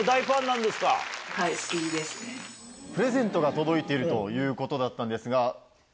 プレゼントが届いているということだったんですが。